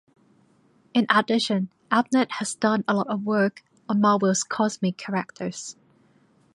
In addition, Abnett has done a lot of work on Marvel's "cosmic" characters.